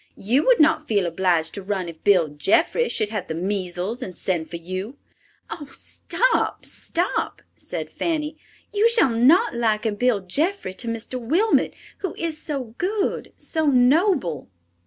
You would not feel obliged to run if Bill Jeffrey should have the measles and send for you." "Oh, stop, stop," said Fanny, "you shall not liken Bill Jeffrey to Mr. Wilmot, who is so good, so noble.